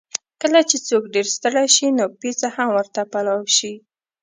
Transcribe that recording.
کله چې څوک ډېر ستړی شي، نو پېڅه هم ورته پلاو شي.